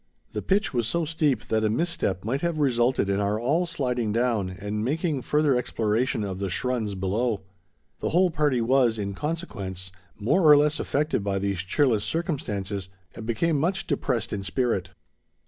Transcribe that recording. The pitch was so steep that a misstep might have resulted in our all sliding down and making further exploration of the schrunds below. The whole party was, in consequence, more or less affected by these cheerless circumstances, and became much depressed in spirit.